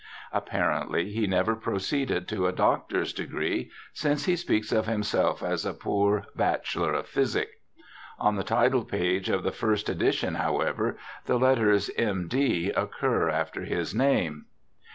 Apparently he never proceeded to a doctor's degree, since he speaks of himself as a ' poor Bachelor of physic '. On the title page of the first edition, however, the letters M.D. occur after his name.